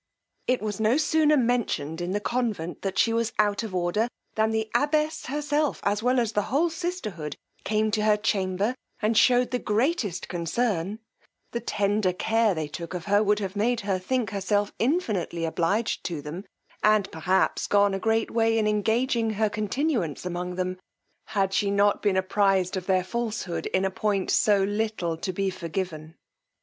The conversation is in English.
It was no sooner mentioned in the convent that she was out of order, than the abbess herself, as well as the whole sisterhood, came to her chamber, and shewed the greatest concern: the tender care they took of her would have made her think herself infinitely obliged to them, and perhaps gone a great way in engaging her continuance among them, had she not been apprized of their falshood in a point so little to be forgiven.